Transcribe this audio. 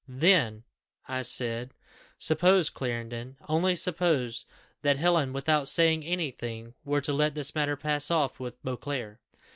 'Then,' I said, 'suppose, Clarendon only suppose that Helen, without saying any thing, were to let this matter pass off with Beauclerc?